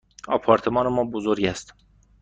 آپارتمان ما بزرگ است.